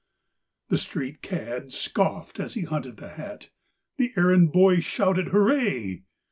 The street cad scoffed as he hunted the hat, The errand boy shouted hooray!